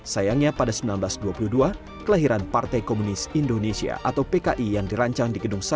sayangnya pada seribu sembilan ratus dua puluh dua kelahiran partai komunis indonesia atau pki yang dirancang di gedung kpk